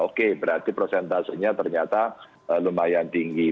oke berarti prosentasenya ternyata lumayan tinggi